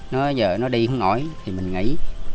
nói bây giờ nó đi không nổi thì mình nghỉ